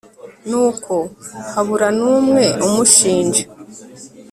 nuko habura n'umwe umushinja